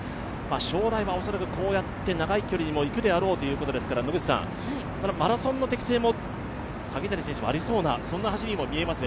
将来はこうやって長い距離もいくであろうということですから、マラソンの適性も萩谷選手はありそうな、そんな走りも見えますね。